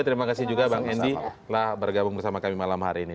terima kasih juga bang endi telah bergabung bersama kami malam hari ini